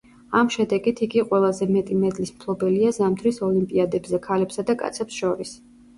ამ შედეგით იგი ყველაზე მეტი მედლის მფლობელია ზამთრის ოლიმპიადებზე ქალებსა და კაცებს შორის.